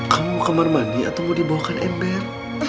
kamu kamar mandi atau mau dibawakan ember